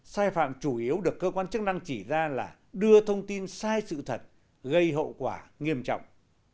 sai phạm chủ yếu được cơ quan chức năng chỉ ra là đưa thông tin sai sự thật gây hậu quả nghiêm trọng